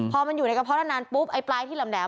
พอมันอยู่ในกระเพาะนานปุ๊บไอ้ปลายที่แหลม